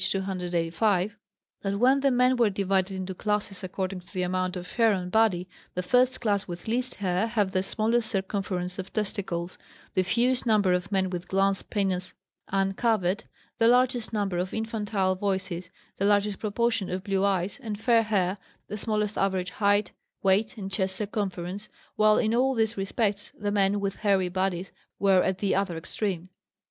285) that when the men were divided into classes according to the amount of hair on body, the first class, with least hair, have the smallest circumference of testicle, the fewest number of men with glans penis uncovered, the largest number of infantile voices, the largest proportion of blue eyes and fair hair, the smallest average height, weight, and chest circumference, while in all these respects the men with hairy bodies were at the other extreme.